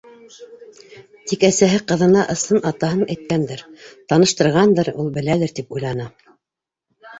Тик әсәһе ҡыҙына ысын атаһын әйткәндер, таныштырғандыр, ул беләлер, тип уйланы.